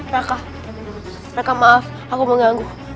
raka raka maaf aku mengganggu